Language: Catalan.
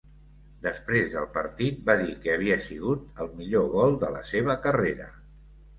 Després del partit va dir que havia sigut el millor gol de la seva carrera.